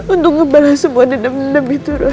untuk ngebalas semua dendam dendam itu roy